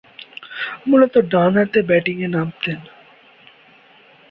মূলতঃ ডানহাতে ব্যাটিংয়ে নামতেন।